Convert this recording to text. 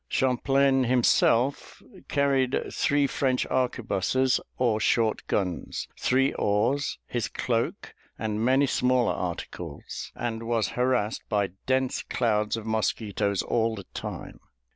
Champlain himself carried three French arquebuses or short guns, three oars, his cloak, and many smaller articles; and was harassed by dense clouds of mosquitoes all the time.